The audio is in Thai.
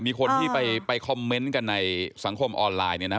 มีคนที่ไปคอมเมนต์กันในสังคมออนไลน์เนี่ยนะ